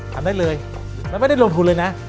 ทำได้เลยมันไม่ได้ลงทุนเลยนะ